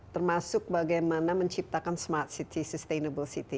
termasuk bagaimana menciptakan smart city sustainable city